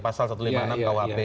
pasal satu ratus lima puluh enam kuhp